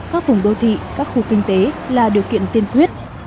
các vùng đô thị các khu kinh tế là điều kiện tiên quyết